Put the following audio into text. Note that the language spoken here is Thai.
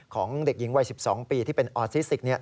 ของเด็กหญิงวัย๑๒ปีที่เป็นออซิก